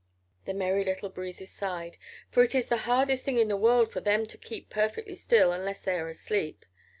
The Merry Little Breezes sighed, for it is the hardest thing in the world for them to keep perfectly still unless they are asleep.